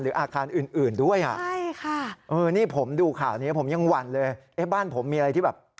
หรืออาการอื่นด้วยอ่ะนี่ผมดูข่าวนี้ผมยังหวั่นเลยเอ๊ะบ้านผมมีอะไรที่แบบ